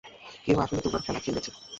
কেউ আসলে তোমার খেলা খেলছে।